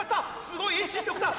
すごい遠心力だ！